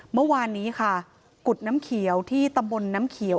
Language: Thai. เมื่อวานนี้ค่ะกุฎน้ำเขียวที่ตำบลน้ำเขียว